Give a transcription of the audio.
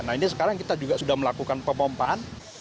nah ini sekarang kita juga sudah melakukan pemompaan